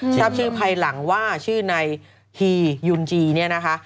ทราบชื่อภายหลังว่าชื่อในฮียุนจีเนี่ยนะคะ